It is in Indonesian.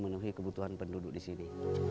itu adalah kebutuhan penduduk di sini